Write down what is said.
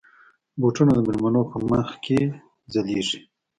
بوټونه د مېلمنو په مخ کې ځلېږي.